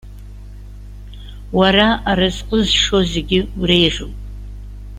Уара, аразҟы зшо зегьы уреиӷьуп.